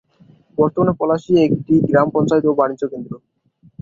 বর্তমানে পলাশী একটি গ্রাম পঞ্চায়েত ও বাণিজ্যকেন্দ্র।